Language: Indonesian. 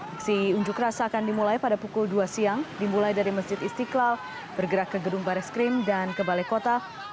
aksi unjuk rasa akan dimulai pada pukul dua siang dimulai dari masjid istiqlal bergerak ke gedung baris krim dan ke balai kota